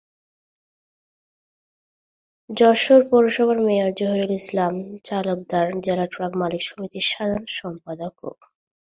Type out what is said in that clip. যশোর পৌরসভার মেয়র জহিরুল ইসলাম চাকলাদার জেলা ট্রাক মালিক সমিতির সাধারণ সম্পাদকও।